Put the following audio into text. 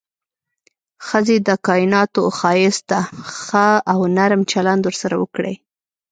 ښځې د کائناتو ښايست ده، ښه او نرم چلند ورسره وکړئ.